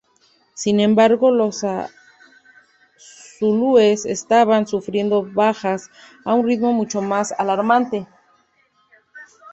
Sin embargo, los zulúes estaban sufriendo bajas a un ritmo mucho más alarmante.